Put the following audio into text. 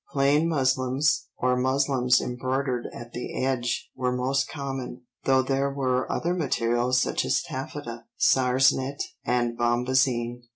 Plain muslins, or muslins embroidered at the edge, were most common, though there were other materials such as taffeta, sarsenet, and bombazine.